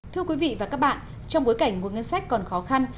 thưa quý vị và các bạn trong bối cảnh nguồn ngân sách còn khó khăn